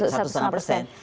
satu setengah persen